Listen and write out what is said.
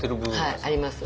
はいあります。